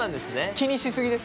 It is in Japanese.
気にしすぎですか？